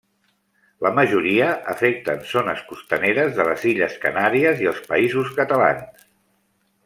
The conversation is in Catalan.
La majoria afecten zones costaneres de les illes Canàries i els Països Catalans.